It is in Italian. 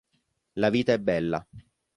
La vita è bella.